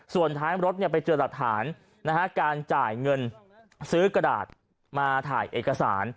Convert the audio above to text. ส่วนท้ายรถไปเจอหลักฐานการจ่ายเงินซื้อกระดาษมาถ่ายเอกสาร